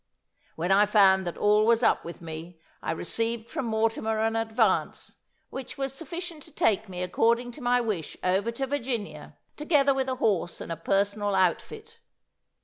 When I found that all was up with me I received from Mortimer an advance, which was sufficient to take me according to my wish over to Virginia, together with a horse and a personal outfit.